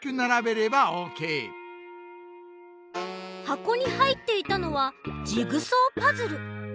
はこにはいっていたのはジグソーパズル。